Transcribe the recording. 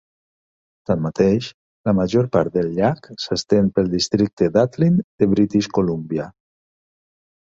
Tanmateix, la major part del llac s'estén pel districte d'Atlin de British Columbia.